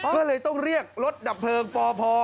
ก็เลยต้องเรียกรถดับเพลิงปพ